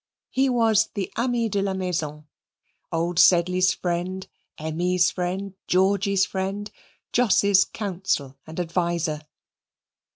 He was the ami de la maison old Sedley's friend, Emmy's friend, Georgy's friend, Jos's counsel and adviser.